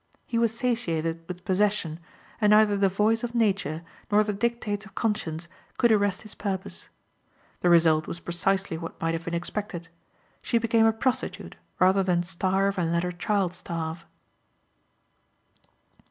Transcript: He was satiated with possession, and neither the voice of nature nor the dictates of conscience could arrest his purpose. The result was precisely what might have been expected: she became a prostitute rather than starve and let her child starve.